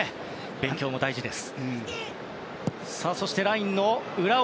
勉強も大事です。